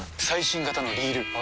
最新型のリール！